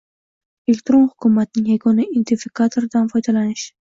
elektron hukumatning yagona identifikatorlaridan foydalanish;